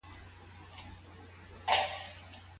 د خندا او خوښۍ مجلس باور زياتوي.